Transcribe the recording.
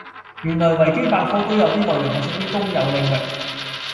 原來維基百科都有啲內容係屬於公有領域